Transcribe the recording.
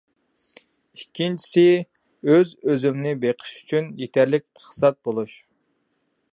ئىككىنچىسى، ئۆز-ئۆزۈمنى بېقىش ئۈچۈن يېتەرلىك ئىقتىساد بولۇش.